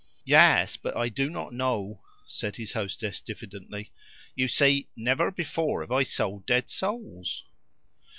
"Yes but I do not know," said his hostess diffidently. "You see, never before have I sold dead souls."